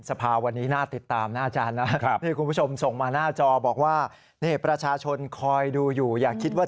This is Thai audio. สภาพวันนี้น่าติดตามหน้าจารประชาชนคอยดูอยู่อย่าคิดว่า